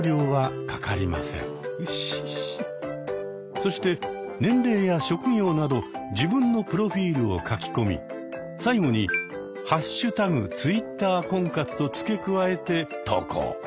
そして年齢や職業など自分のプロフィールを書き込み最後に「＃Ｔｗｉｔｔｅｒ婚活」と付け加えて投稿。